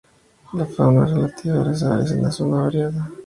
La fauna relativa a las aves en la zona es variada.